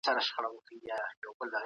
ایا لوی صادروونکي وچ توت ساتي؟